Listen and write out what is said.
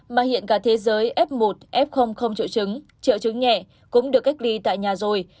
mà hiện cả thế giới f một f không triệu chứng triệu chứng nhẹ cũng được cách ly tại nhà rồi